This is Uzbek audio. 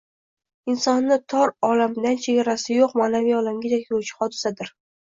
insonni tor “olami”dan chegarasi yo‘q ma’naviy olamga yetaklovchi hodisadir.